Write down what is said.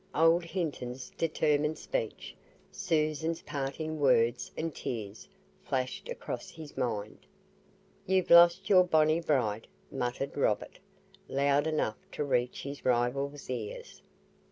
Old Hinton's determined speech, Susan's parting words and tears, flashed across his mind. "You've lost your bonnie bride," muttered Robert, loud enough to reach his rival's ears.